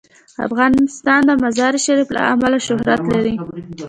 افغانستان د مزارشریف له امله شهرت لري.